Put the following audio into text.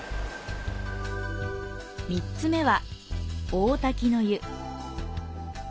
３つ目は、大滝乃湯。